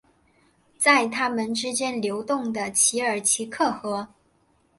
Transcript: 在他们之间流动的奇尔奇克河。